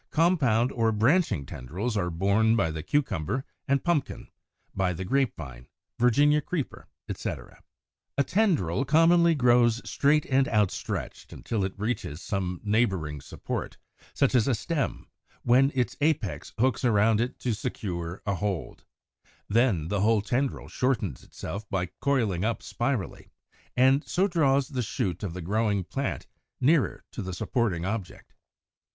Compound or branching tendrils are borne by the Cucumber and Pumpkin, by the Grape Vine, Virginia Creeper, etc. [Illustration: Fig. 92. A small Passion flower (Passiflora sicyoides), showing the tendrils.] 99. A tendril commonly grows straight and outstretched until it reaches some neighboring support, such as a stem, when its apex hooks around it to secure a hold; then the whole tendril shortens itself by coiling up spirally, and so draws the shoot of the growing plant nearer to the supporting object.